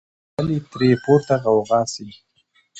له بلي تړي پورته غوغا سي